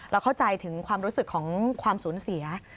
เข้าใจถึงความรู้สึกของความสูญเสีย